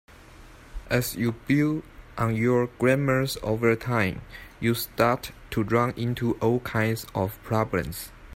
As you build on your grammars over time, you start to run into all kinds of problems.